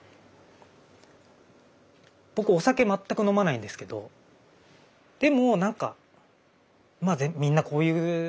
僕お酒全く飲まないんですけどでもなんかみんなこういうことだよなっていう。